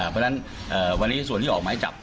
เพราะฉะนั้นวันนี้ส่วนที่ออกหมายจับ